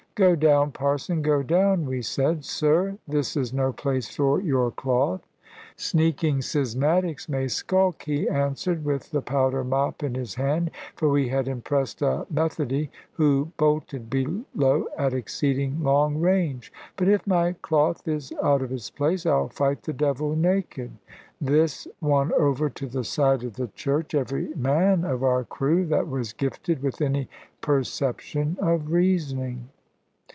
"Go down, parson, go down," we said; "sir, this is no place for your cloth." "Sneaking schismatics may skulk," he answered, with the powder mop in his hand; for we had impressed a Methody, who bolted below at exceeding long range; "but if my cloth is out of its place, I'll fight the devil naked." This won over to the side of the Church every man of our crew that was gifted with any perception of reasoning.